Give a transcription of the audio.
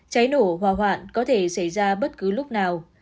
cháy nổ hòa hoạn có thể xảy ra bất cứ lúc nào